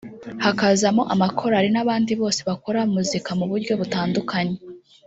hakazamo amakorali n’abandi bose bakora muzika mu buryo butandukanye